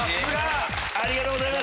ありがとうございます！